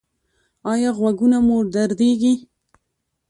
ایا غوږونه مو دردیږي؟